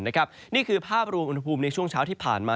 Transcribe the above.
นี่คือภาพรวมอุณหภูมิในช่วงเช้าที่ผ่านมา